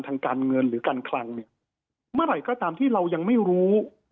ทางการเงินหรือการคลังเนี่ยเมื่อไหร่ก็ตามที่เรายังไม่รู้